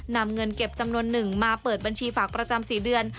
นำเงินเก็บจำนวนหนึ่งมาเปิดบัญชีฝากประจำ๔เดือน